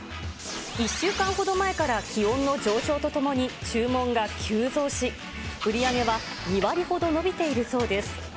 １週間ほど前から気温の上昇とともに注文が急増し、売り上げは２割ほど伸びているそうです。